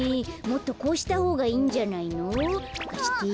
もっとこうしたほうがいいんじゃないの？かして。